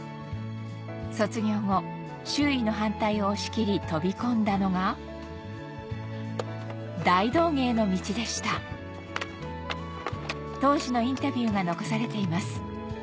卒業後周囲の反対を押し切り飛び込んだのが大道芸の道でした当時のインタビューが残されています